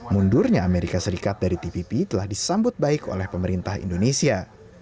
mundurnya amerika serikat dari tpp telah disambut baik oleh pemerintah indonesia